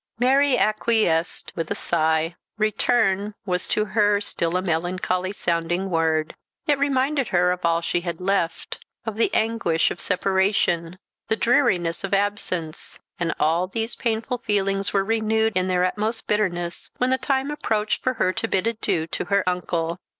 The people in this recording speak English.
Mary acquiesced with a sigh. Return was to her still a melancholy sounding word. It reminded her of all she had left of the anguish of separation the dreariness of absence; and all these painful feelings were renewed in their utmost bitterness when the time approached for her to bid adieu to her uncle.